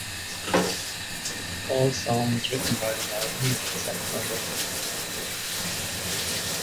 All songs written by The Melvins except where noted.